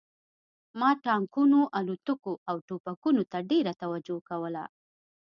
ما ټانکونو الوتکو او ټوپکونو ته ډېره توجه کوله